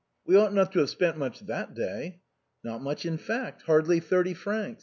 " We ought not to have spent much that day." " Not much, in fact — ^hardly thirty francs."